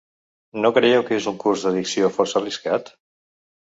No creieu que és un curs d'acció força arriscat?